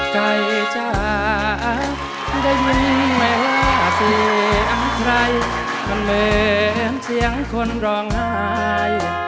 ใกล้จะได้ยินแม่เสียงใครมันเหมือนเสียงคนร้องไห้